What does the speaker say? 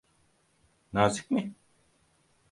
Nazik mi?